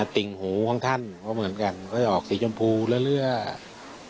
ติ่งหูของท่านก็เหมือนกันก็จะออกสีชมพูเลือด